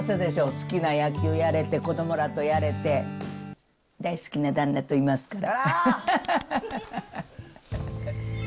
好きな野球やれて、子どもらとやれて、大好きな旦那といますから。